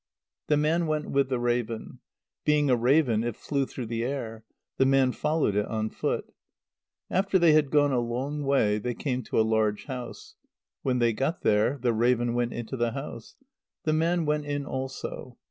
The man went with the raven. Being a raven, it flew through the air. The man followed it on foot. After they had gone a long way, they came to a large house. When they got there, the raven went into the house. The man went in also.